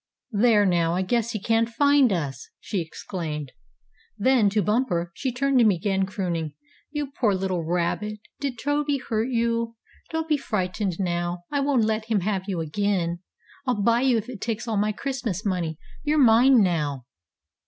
"There, now I guess he can't find us!" she exclaimed. Then to Bumper, she turned and began crooning: "You poor little rabbit! Did Toby hurt you? Don't be frightened now. I won't let him have you again. I'll buy you if it takes all my Christmas money. You're mine now!"